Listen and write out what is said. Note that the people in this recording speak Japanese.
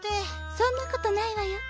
「そんなことないわよ。